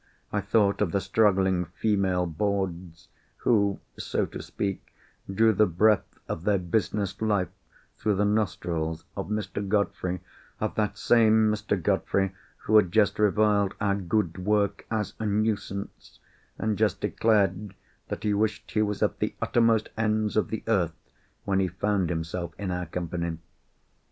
I thought of the struggling Female Boards, who, so to speak, drew the breath of their business life through the nostrils of Mr. Godfrey—of that same Mr. Godfrey who had just reviled our good work as a "nuisance"—and just declared that he wished he was at the uttermost ends of the earth when he found himself in our company!